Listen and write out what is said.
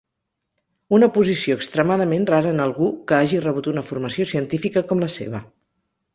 Una posició extremadament rara en algú que hagi rebut una formació científica com la seva.